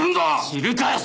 知るかよ